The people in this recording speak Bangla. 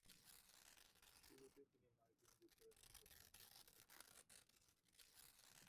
শুরুতে তিনি মার্কিন যুক্তরাষ্ট্রে চলে যান।